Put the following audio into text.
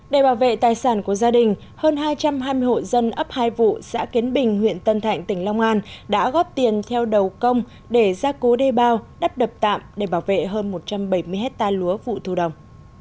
để bảo vệ tài sản của gia đình hơn hai trăm hai mươi hộ dân ấp hai vụ xã kiến bình huyện tân thạnh tỉnh long an đã góp tiền theo đầu công để ra cố đê bao đắp đập tạm để bảo vệ hơn một trăm bảy mươi hectare lúa vụ thu đồng